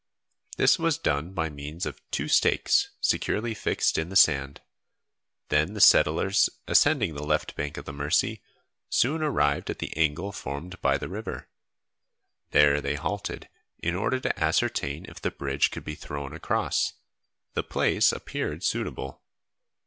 This was done by means of two stakes securely fixed in the sand. Then the settlers, ascending the left bank of the Mercy, soon arrived at the angle formed by the river. There they halted, in order to ascertain if the bridge could be thrown across. The place appeared suitable.